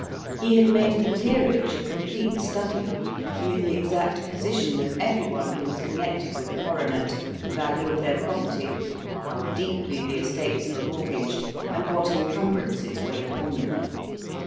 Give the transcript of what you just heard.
He had made the peerage a complete study, knew the exact position of everyone who was connected with a coronet, the value of their property, how deeply the estates were mortgaged, and what encumbrances weighed upon them.